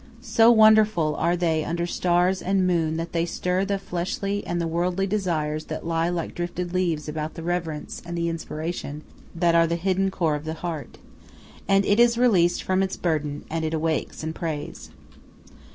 So wonderful are they under stars and moon that they stir the fleshly and the worldly desires that lie like drifted leaves about the reverence and the aspiration that are the hidden core of the heart. And it is released from its burden; and it awakes and prays.